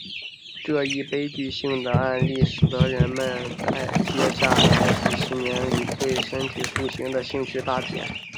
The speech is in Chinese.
这一悲剧性的案例使得人们在接下来的几十年里对身体塑形的兴趣大减。